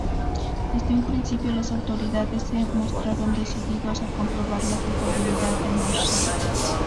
Desde un principio, las autoridades se mostraron decididos a comprobar la culpabilidad de Marshall.